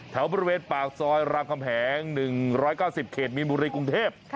แถวบริเวณปากซอยรามคำแหง๑๙๐เขตมีนบุรีกรุงเทพ